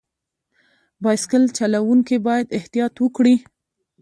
بایسکل چلوونکي باید احتیاط وکړي.